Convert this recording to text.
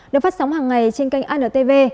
được phát sóng hàng ngày trên kênh an tv